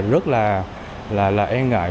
rất là e ngại